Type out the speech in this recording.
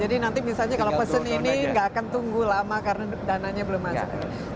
jadi nanti misalnya kalau pesen ini nggak akan tunggu lama karena dana nya belum masuk